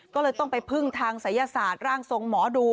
ก็เลยต้องไปพึ่งทางศัยศาสตร์ร่างทรงหมอดู